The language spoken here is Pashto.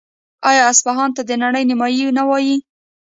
آیا اصفهان ته د نړۍ نیمایي نه وايي؟